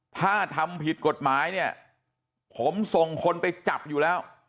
ถ้าทำผิดกฎหมายเนี่ยผมส่งคนไปจับอยู่แล้ว